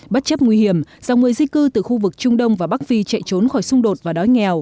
bất chấp nguy hiểm dòng người di cư từ khu vực trung đông và bắc phi chạy trốn khỏi xung đột và đói nghèo